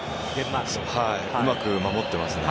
うまく守ってますね。